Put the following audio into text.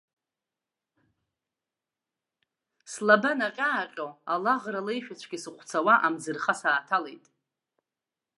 Слаба наҟьа-ааҟьо, алаӷра леишәацәгьа сыҟәцауа, амӡырха сааҭалеит.